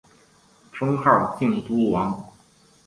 封号靖都王。